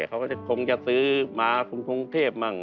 เขาก็คงจะซื้อมากรุงกรุงเทพบ้าง